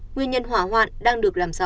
nguyên nhân hóa hoạn đang được làm rõ